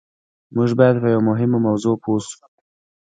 موږ بايد په يوه مهمه موضوع پوه شو.